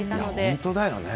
本当だね。